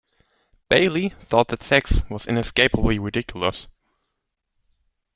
Bayley thought that sex was inescapably ridiculous.